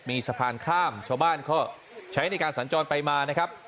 มีสะพานข้ามชาวบ้านก็ใช้ในการสัญจรไปมานะครับ